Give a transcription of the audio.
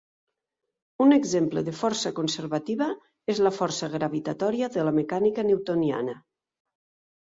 Un exemple de força conservativa és la força gravitatòria de la mecànica newtoniana.